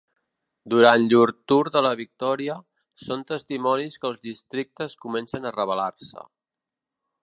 Durant llur Tour de la Victòria, són testimonis que els districtes comencen a rebel·lar-se.